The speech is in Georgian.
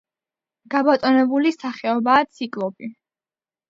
გაბატონებული სახეობაა ციკლოპი.